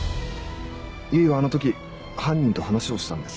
唯はあの時犯人と話をしたんです。